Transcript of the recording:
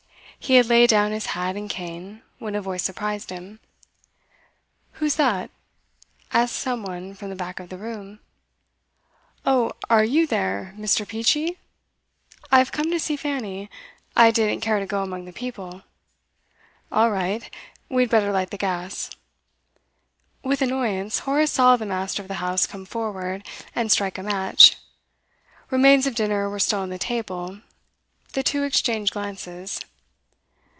He had laid down his hat and cane, when a voice surprised him. 'Who's that?' asked some one from the back of the room. 'Oh, are you there, Mr. Peachey? I've come to see Fanny. I didn't care to go among the people.' 'All right. We'd better light the gas.' With annoyance, Horace saw the master of the house come forward, and strike a match. Remains of dinner were still on the table. The two exchanged glances.